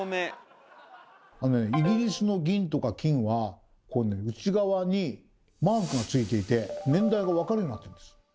イギリスの銀とか金は内側にマークがついていて年代が分かるようになってるんです。